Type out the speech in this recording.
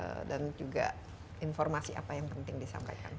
juga informasi apa yang penting disampaikan